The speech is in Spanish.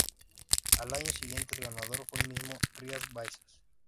Al año siguiente el ganador fue el mismo, Rias Baixas.